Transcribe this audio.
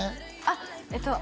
あっえっと